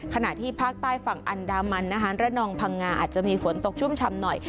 ขณะที่ภาคใต้ฝั่งอันดามันนะคะระนองพังงาอาจจะมีฝนตกชุ่มชำหน่อย